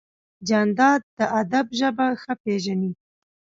جانداد د ادب ژبه ښه پېژني.